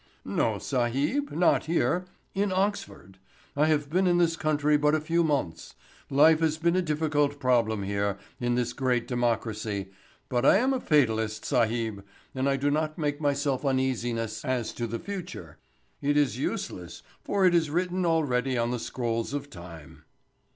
"No, sahib, not here—in Oxford. I have been in this country but a few months. Life has been a difficult problem here in this great democracy, but I am a fatalist, sahib, and I do not make myself uneasiness as to the future. It is useless for it is written already on the scrolls of time."